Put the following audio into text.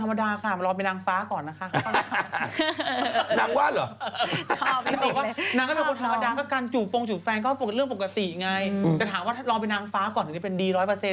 แต่ถามว่าถ้านางฟ้าก่อนดี๑๐๐พวกมันก็จะไม่ทำอะไรที่เสียหาย